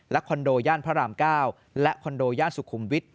คอนโดย่านพระราม๙และคอนโดย่านสุขุมวิทย